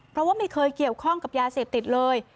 เพราะว่าไม่เคยเกี่ยวข้องกับยาเสพติดเลย